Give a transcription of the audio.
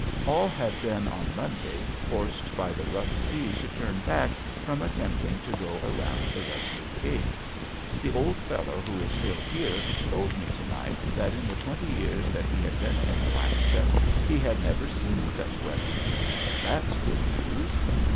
All had been on Monday forced by the rough sea to turn back from attempting to go around the westward cape. The old fellow who is still here told me to night that in the twenty years that he had been in Alaska he had never seen such weather. That's good news.